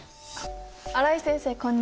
新井先生こんにちは。